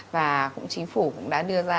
và cũng chính phủ đã đưa ra